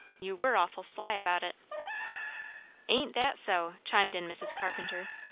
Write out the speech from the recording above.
You were awful sly about it!" "Ain't that so?" chimed in Mrs. Carpenter.